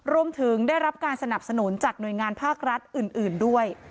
รวมถึงได้รับการสนับสนุนจากหน่วยงานภาครัฐอื่นด้วย